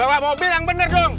bawa mobil yang benar dong